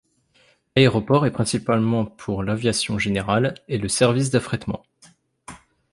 L'aéroport est principalement pour l'aviation générale et le service d'affrètement.